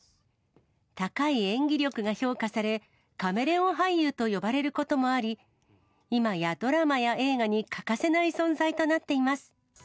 高い演技力が評価され、カメレオン俳優と呼ばれることもあり、今や、ドラマや映画に欠かせない存在となっています。